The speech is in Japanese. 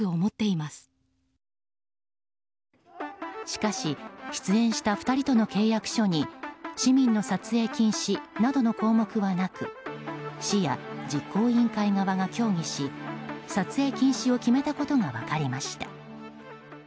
しかし出演した２人との契約書に市民の撮影禁止などの項目はなく市や実行委員会側が協議し撮影禁止を決めたことが分かりました。